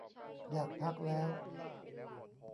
อยากพักแล้ว